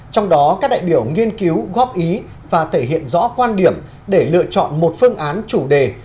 trong đó các đại biểu nghiên cứu góp ý và thể hiện rõ quan điểm để lựa chọn một phương án chủ đề